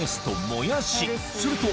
もやしと？